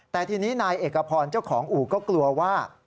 แต่ทีนี้นายเอกพรเจ้าของอู่ก็กลัวว่า